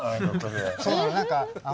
そうなの。